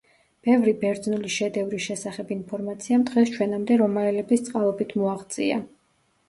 ბევრი ბერძნული შედევრის შესახებ ინფორმაციამ დღეს ჩვენამდე რომაელების წყალობით მოაღწია.